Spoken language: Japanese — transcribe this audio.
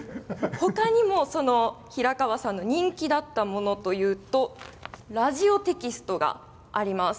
ほかにも平川さんの人気だったものというとラジオテキストがあります。